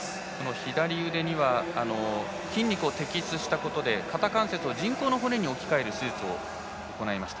左腕は筋肉を摘出したことで肩関節を人工の骨に置き換える手術を行いました。